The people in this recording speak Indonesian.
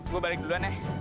gue balik duluan ya